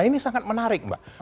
ini sangat menarik mbak